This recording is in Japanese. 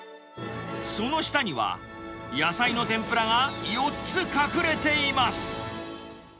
その下には、野菜の天ぷらが４つ隠れています。